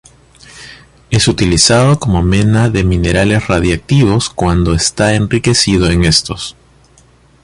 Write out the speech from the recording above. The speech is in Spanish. Es utilizado como mena de minerales radiactivos cuando está enriquecido en estos.